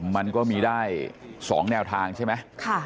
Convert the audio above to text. มันก็มีได้๒แนวทางใช่ไหม